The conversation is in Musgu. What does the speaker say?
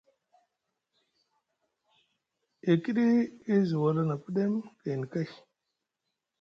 E kiɗi e zi wala na pɗem gayni kay.